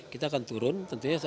kita akan turun tentunya